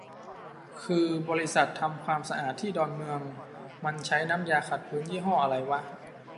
คือบริษัททำความสะอาดที่ดอนเมืองมันใช้น้ำยาขัดพื้นยี่ห้อไรวะ